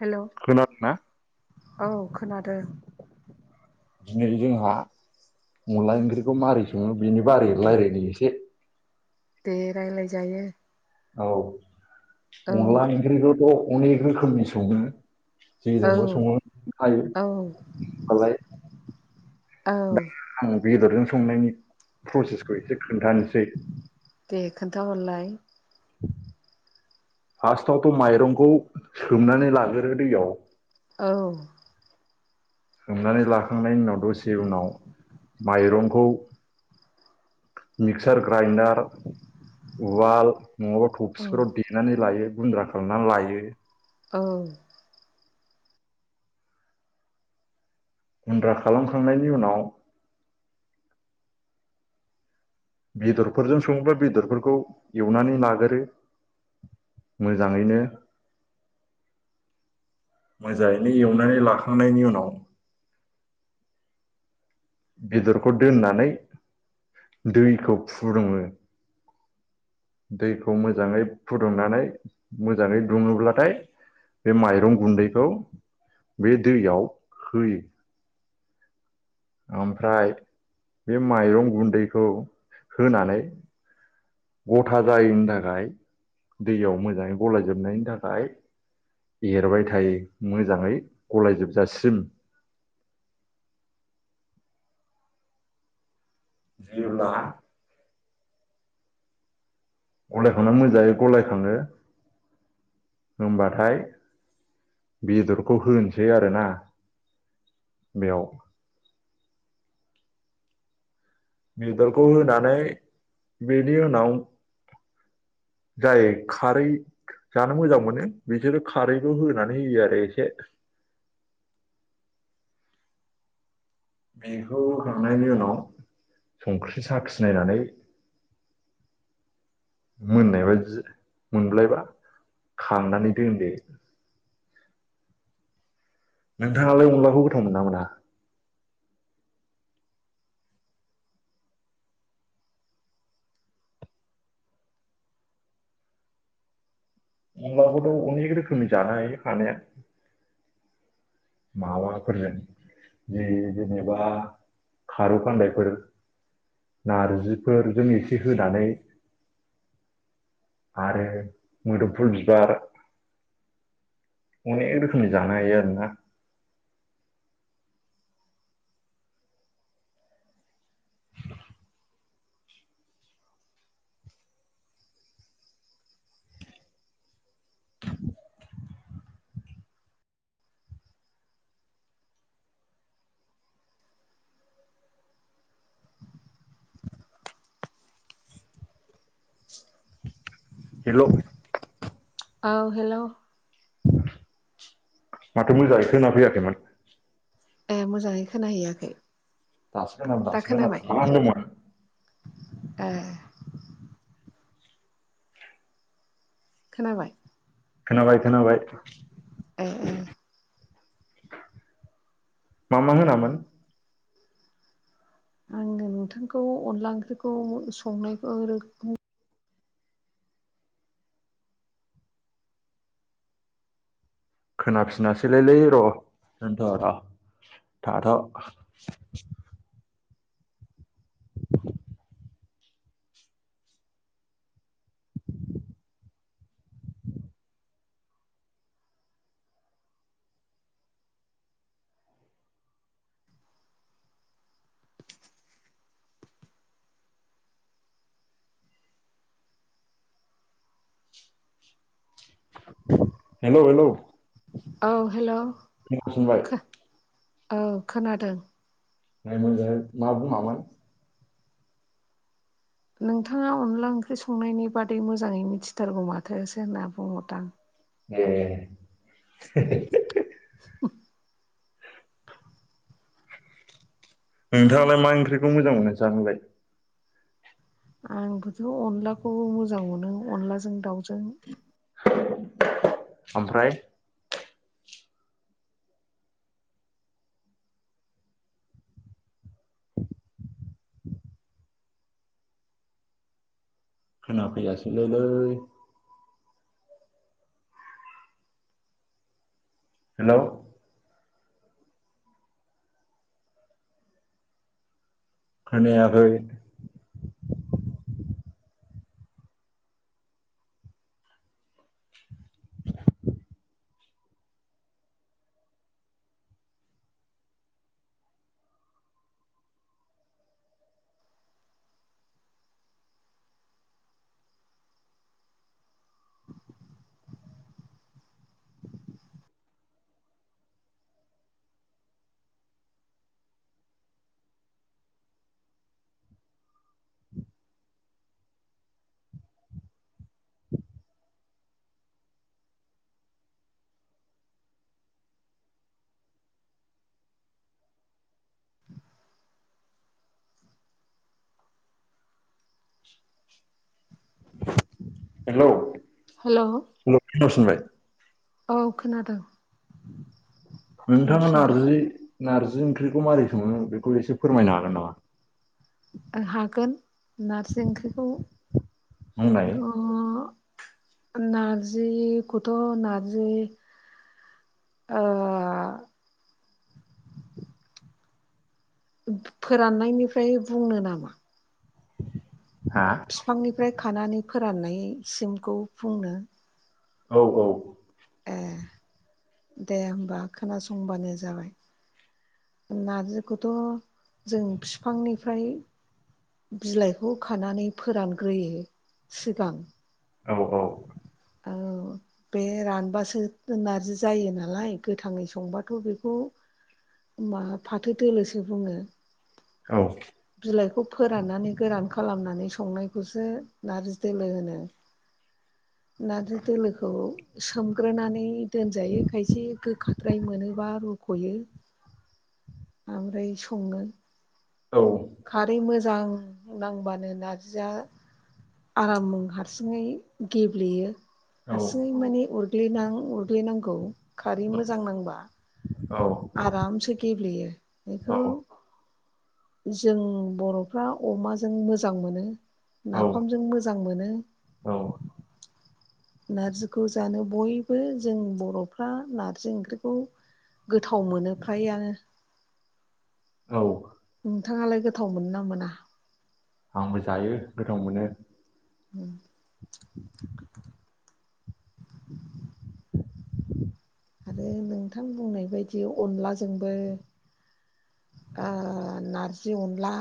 हेल' खोनादोंना? औ खोनादों दिनै जोंहा अनला ओंख्रिखौ मारै सङो बेनि बारै रायलायनो एसे दे रायलाय जायो। औ। अनला ओंख्रिखौथ' अनेक रोखोमनि सङो। औ जेजोंबो सङो खायो औ नालाय औ। बेदरजों संनायनि प्रसेसखौ एसे खोन्थानोसै दे [inaudible] फार्स्टावथ माइरंखौ सोमनानै लागोरो दैयाव। औ सोमनानै लाखांनायनि उनाव दसे उनाव माइरंखौ मिक्सार ग्राइडार उवाल नङाबा औ थफसिफोराव देनानै लायो। गुन्द्रा खालामनानै लायो। औ गुन्द्रा खालामखांनायनि उनाव बेदरफोरजों सङोब्ला बेदरफोरखौ एवनानै लागोरो मोजाङैनो मोजाङैनो एवनानै लाखांनायनि उनाव बेदरखौ दोननानै दैखौ फुदुङो। दैखौ मोजाङै फुदुंनानै मोजाङै दुङोब्लाथाय बे माइरं गुन्दैखौ बे दैयाव होयो। ओमफ्राय बे माइरं गुन्दैखौ होनानै गथा जायैनि थाखाय दैयाव मोजाङै गलायजोबनायनि थाखाय एरबाय थायो मोजाङै गलायजोबजासिम। जेब्ला गलायखांनानै मोजाङै गलाय खाङो होनबाथाय बेदरखौ होनोसै आरोना बेयाव। बेदरखौ होनानै बेनि उनाव जायो खारै जानो मोजां मोनो बिसोरो खारैखौ होनानै होयो आरो एसे। बेखौ होखांनायनि उनाव संख्रि साखिनायनानै मोननाय बादि मोनबायबा खांनानै दोनदो। नोंथाङालाय अनलाखौ गोथाव मोनोना मोना? अनब्लाबोथ अनेक रोखोमनि जानो हायो हानाया। माबाफोरजों जि जेनेबा खारौ खान्दायफोर नारजिफोरजों एसे होनानै आरो मोदोमफुल बिबार। अनेक रोखोमनि जानो हायो आरोना। [inaudible] हेलौ औ हेलौ माथो मोजाङै खोना फैयाखैमोन। ए मोजाङै खोनाहैयाखै दासो खोनादों दा दासो खोनादों खोनाबाय मा होनदोंमोन? ए खोनाबाय खोनाबाय खोनाबाय। ए ए मा मा होनामोन? आङो नोंथांखौ अनला ओंख्रिखौ संनायखौ खोनाफिनासैलै र दोनथ र थाथ हेलौ हेलौ औ हेलौ [unintelligible] औ खोनादों। [unintelligible] मा बुङामोन? नोंथाङा अनला ओंख्रि संनायनि बादै मोजाङै मिथिथारगौ माथोसो होनना बुंहरदां। ए उम नोंथाङालाय मा ओंख्रिखौ मोजां मोनो जानोलाय? आंबोथ अनलाखौबो मोजां मोनो अनलाजों दाउजों। ओमफ्राय खोना फैयासैलायलै हेलौ खोनयाखै। [inaudible] हेलौ हेल' [unintelligible] औ खोनादों नोंथाङा खोनाफिनबाय नारजि नारजि ओंख्रिखौ माबोरै सङो बेखौ एसे फोरमायनो हागोन नामा हागोन नारजि ओंख्रिखौ बुंनाय ओ नारजिखौथ' नारजि ओ फोराननायनिफ्राय बुंनो नामा [inaudible] बिफांनिफ्राय खानानै फोराननायसिमखौ बुंनो औ औ ए दे होमबा खोनासंबानो जाबाय नारजिखौथ' जों फिफांनिफ्राय बिलाइखौ खानानै फोरानग्रोयो सिगां औ औ औ बे रानबासो नारजि जायो नालाय गोथाङै संबाथ' बेखौ मा फाथो दोलोसो बुङो औ बिलाइखौ फोराननानै गोरान खालामनानै संनायखौसो नारजि दोलो होनो नारजो दोलोखौ सोमग्रोनानै दोनजायो खायसे गोखाद्राय मोनोब्ला रुख'यो ओमफ्राय सङो औ खारै म मोजां नांबानो नारजिया आराम हारसिङै गेब्लेयो औ हारसिङै माने अरग ग्नां उरग्लिनांगौ खारै मोजां नांबा औ आरामसे गेब ब्लेयो बेखौ जों बर'फ्रा अमाजों मोजां मोनो औ नाफामजों मोजां मोनो औ नारजिखौ जानो बयबो जों बर'फ्रा नारजि ओंख्रिखौ गोथाव मोनो फ्रायानो औ नोंथाङालाय गोथाव मोनो ना मोना आंबो जायो गोथाव मोनो उम [unintelligible] [unintelligible] आरो नोंथां बुंनाय बायदि अनाजोंबो बा नारजि अनला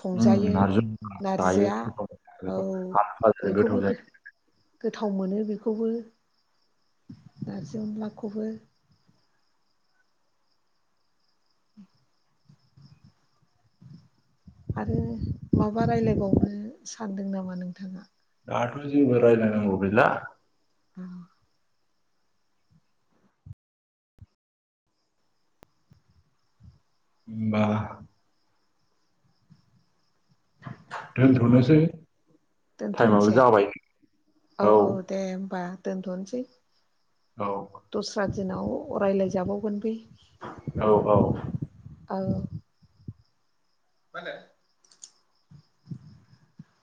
संजायो नारजिया [unintelligible] औ गोथाव बेखौबो जायो गोथाव मोनो बेखौबो नारजि अनलाखौबो [inaudible] आरो माबा रायलायबावनो सानदों नामा नोंथाङा? दाथ' जेबो रायलाय नांगौ गैला उम होमबा दोनथनोसै। टाइमाबो दोनथ'नसै जाबाय औ औ दे होमबा। दोनथनसै औ दस्रा दिनाव रायलाय जाबावगोन बे औ औ मा होनदों?